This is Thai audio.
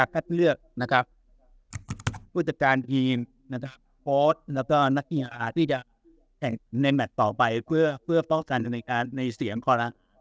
เพื่อเป็ดการพื้นที่การดินที่ถี่และการเก็บเช็มการก่อน